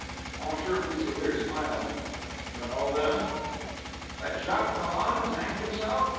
Monsieur Fuselier smiled: "You know then?" "That Jacques Dollon has hanged himself?